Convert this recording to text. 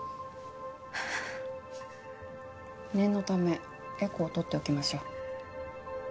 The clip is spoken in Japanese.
念のためエコーとっておきましょう。